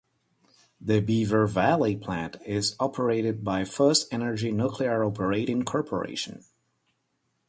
The Beaver Valley plant is operated by FirstEnergy Nuclear Operating Corporation.